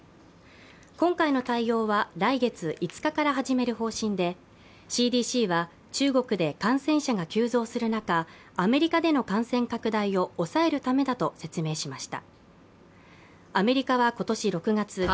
今回の対応は来月５日から始める方針でＣＤＣは、中国で感染者が急増する中、アメリカでの感染拡大を抑えるためだと説明しました。